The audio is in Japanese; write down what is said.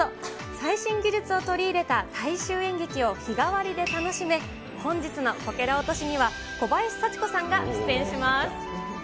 最新技術を取り入れた大衆演劇を日替わりで楽しめ、本日のこけら落としには、小林幸子さんが出演します。